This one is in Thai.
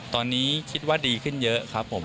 ตอนนี้คิดว่าดีขึ้นเยอะครับผม